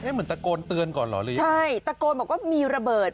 เหมือนตะโกนเตือนก่อนเหรอหรือใช่ตะโกนบอกว่ามีระเบิด